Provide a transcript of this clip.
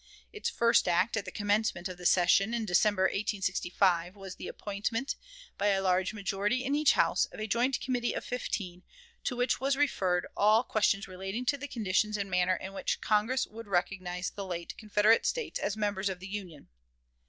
Its first act, at the commencement of the session, in December, 1865, was the appointment, by a large majority in each House, of a joint Committee of Fifteen, to which was referred all questions relating to the conditions and manner in which Congress would recognize the late Confederate States as members of the Union.